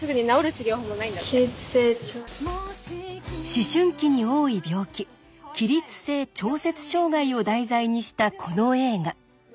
思春期に多い病気起立性調節障害を題材にしたこの映画。